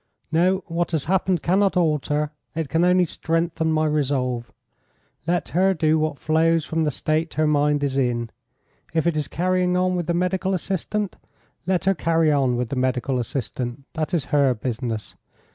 "No, what has happened cannot alter it can only strengthen my resolve. Let her do what flows from the state her mind is in. If it is carrying on with the medical assistant, let her carry on with the medical assistant; that is her business.